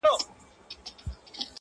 اوس د سیالانو په ټولۍ کي مي ښاغلی یمه-